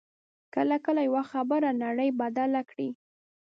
کله کله یوه خبره نړۍ بدله کړي